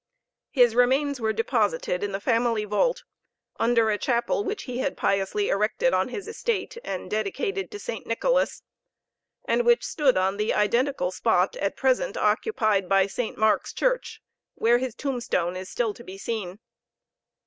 His remains were deposited in the family vault, under a chapel which he had piously erected on his estate, and dedicated to St. Nicholas, and which stood on the identical spot at present occupied by St. Mark's church, where his tombstone is still to be seen.